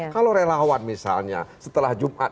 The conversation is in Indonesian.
kalau relawan misalnya setelah jumat